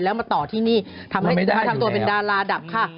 แล้วมาต่อที่นี่ทำให้นะคะทำตัวเป็นดาราดับค่ะ